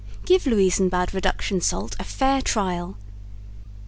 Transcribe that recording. Give Louisenbad Reduction Salt a fair trial.